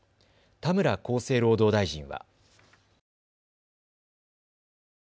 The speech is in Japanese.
田村厚生労働大臣は。